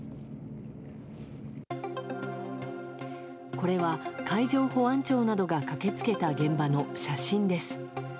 これは、海上保安庁などが駆け付けた現場の写真です。